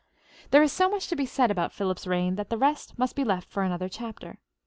There is so much to be said about Philip's reign that the rest must be left for a fresh chapter.